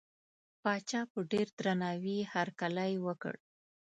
پاچا په ډېر درناوي هرکلی وکړ.